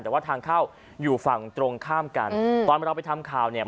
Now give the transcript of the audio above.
แต่ว่าทางเข้าอยู่ฝั่งตรงข้ามกันอืมตอนเราไปทำข่าวเนี่ย